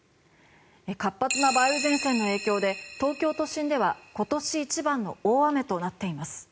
活発な梅雨前線の影響で東京都心では今年一番の大雨となっています。